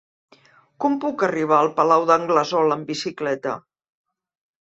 Com puc arribar al Palau d'Anglesola amb bicicleta?